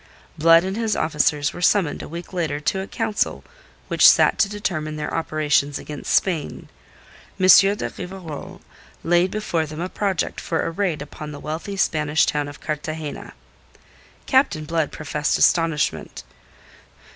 Blood and his officers were summoned a week later to a council which sat to determine their operations against Spain. M. de Rivarol laid before them a project for a raid upon the wealthy Spanish town of Cartagena. Captain Blood professed astonishment.